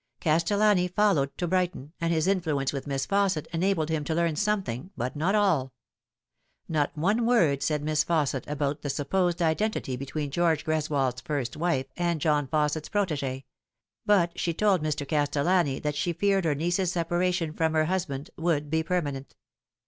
Castellani followed to Brighton, and his influence with Miss Fausset enabled him to learn something, but not all. Not one word said Miss Fausset about the supposed identity between George Greswold's first wife and John Fausset's^ro^ee/ but she told Mr. Castellani that she feared her niece's separation from her husband would be permanent.